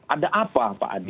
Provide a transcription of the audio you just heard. ada apa pak adi